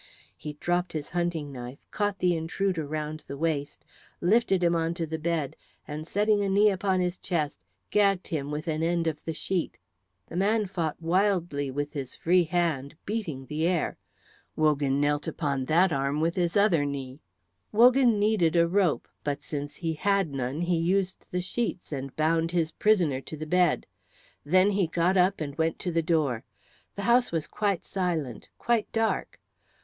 He dropped his hunting knife, caught the intruder round the waist, lifted him onto the bed, and setting a knee upon his chest gagged him with an end of the sheet. The man fought wildly with his free hand, beating the air. Wogan knelt upon that arm with his other knee. Wogan needed a rope, but since he had none he used the sheets and bound his prisoner to the bed. Then he got up and went to the door. The house was quite silent, quite dark.